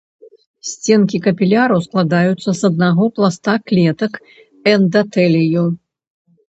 Сценкі капіляраў складаюцца з аднаго пласта клетак эндатэлію.